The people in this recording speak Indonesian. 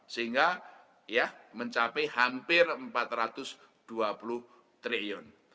sehingga ya mencapai hampir empat ratus dua puluh triliun